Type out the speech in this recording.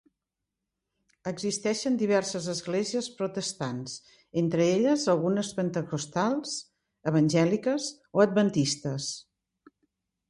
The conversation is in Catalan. Existeixen diverses esglésies protestants, entre elles algunes pentecostals, evangèliques o adventistes.